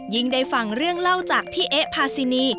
ได้ฟังเรื่องเล่าจากพี่เอ๊ะพาซินี